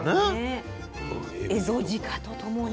エゾジカと共に。